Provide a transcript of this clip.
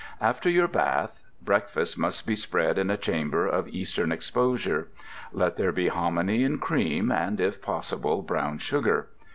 After your bath, breakfast must be spread in a chamber of eastern exposure; let there be hominy and cream, and if possible, brown sugar.